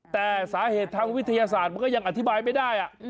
แต่สาเหตุทางวิทยาศาสตร์มันก็ยังอธิบายไม่ได้